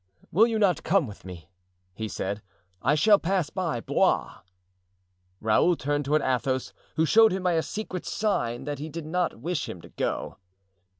"Will you not come with me?" he said; "I shall pass by Blois." Raoul turned toward Athos, who showed him by a secret sign that he did not wish him to go.